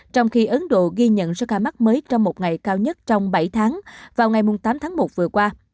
trong khi ấn độ ghi nhận số ca mắc mới trong một ngày cao nhất trong bảy tháng vào ngày tám tháng một vừa qua